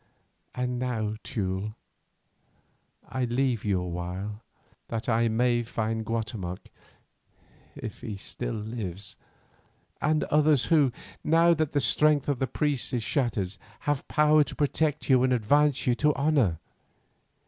"And now, Teule, I leave you a while, that I may find Guatemoc, if he still lives, and others who, now that the strength of the priests is shattered, have power to protect you and advance you to honour.